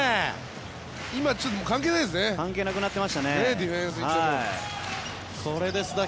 今、関係ないですね。